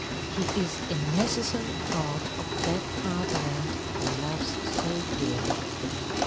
He is a necessary part of that Fatherland he loves so dearly.